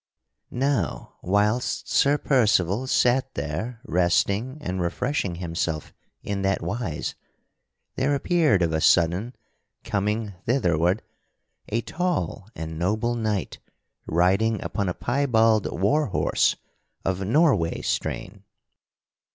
Now whilst Sir Percival sat there resting and refreshing himself in that wise, there appeared of a sudden coming thitherward, a tall and noble knight riding upon a piebald war horse of Norway strain.